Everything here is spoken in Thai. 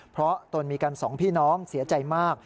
เพราะตนมีกันสองพี่น้องเสียใจมาก